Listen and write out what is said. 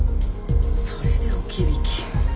それで置き引き。